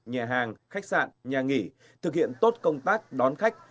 nhà hàng khách sạn nhà nghỉ thực hiện tốt công tác đón khách